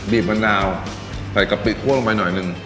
บมะนาวใส่กะปิคั่วลงไปหน่อยหนึ่ง